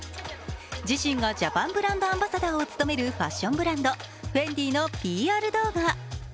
自身がジャパンブランドアンバサダーを務めるファッションブランド、ＦＥＮＤＩのＰＲ動画。